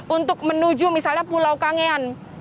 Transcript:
untuk menuju misalnya pulau kangean